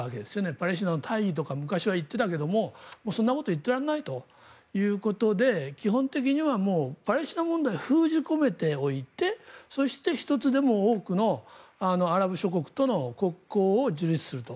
パレスチナ昔から言っていたけどもうそんなこと言っていられないということで基本的にはパレスチナ問題を封じ込めておいてそして、１つでも多くのアラブ諸国との国交を樹立すると。